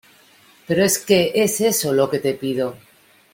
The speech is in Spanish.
pero es que es eso lo que te pido.